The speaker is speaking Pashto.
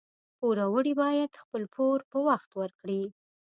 پوروړي باید خپل پور په وخت ورکړي